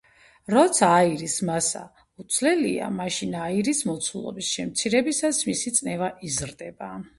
როცა აირის მასა უცვლელია მაშინ აირის მოცულობის შემცირებისას მისი წნევა იზრდება